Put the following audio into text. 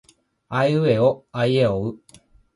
あいうえおあいえおう。